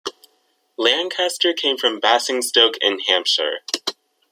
Lancaster came from Basingstoke in Hampshire.